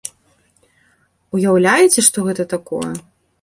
Уяўляеце, што гэта такое?